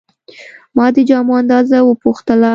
ما د جامو اندازه وپوښتله.